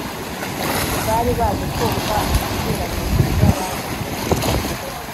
bari baje kumva iburanishwa ryababo